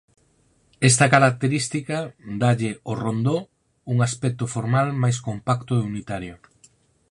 Esta característica dálle ao rondó un aspecto formal máis compacto e unitario.